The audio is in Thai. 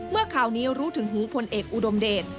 เมื่อข่าวนี้รู้ถึงหูพลเอกอุดมเดช